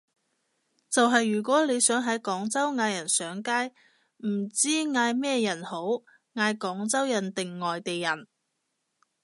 就係如果你想喺廣州嗌人上街，唔知嗌咩人好，嗌廣州人定外地人？